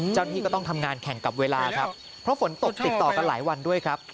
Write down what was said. เจ้าหน้าที่ก็ต้องทำงานแข่งกับเวลาครับเพราะฝนตกติดต่อกันหลายวันด้วยครับ